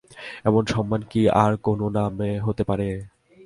এমন সম্মান কি আর কোনো নামে হতে পারে!